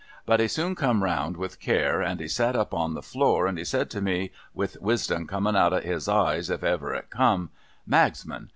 But, he soon come round with care, and he sat up on the floor, and he said to me, with wisdom comin out of his eyes, if ever it come :' Magsman